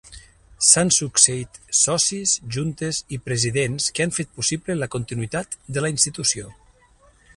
S’han succeït socis, juntes i presidents que han fet possible la continuïtat de la institució.